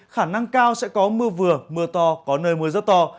khả năng cao sẽ có mưa vừa mưa to có nơi mưa rất to